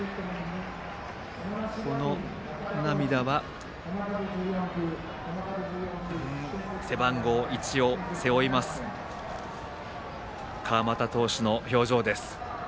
この涙は背番号１を背負います川又投手の表情です。